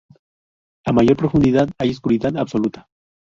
A mayor profundidad, hay oscuridad absoluta.